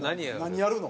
何やるの？